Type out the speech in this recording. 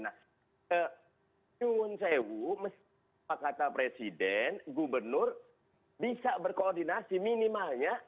nyungun sewu pak kata presiden gubernur bisa berkoordinasi minimalnya